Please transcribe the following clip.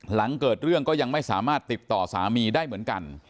หลังเกิดเรื่องก็ยังไม่สามารถติดต่อสามีได้เหมือนกัน